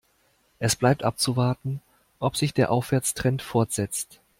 Es bleibt abzuwarten, ob sich der Aufwärtstrend fortsetzt.